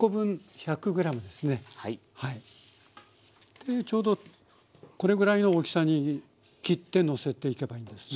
でちょうどこれぐらいの大きさに切ってのせていけばいいんですね？